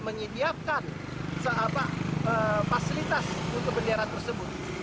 menyiapkan seapak fasilitas untuk bendera tersebut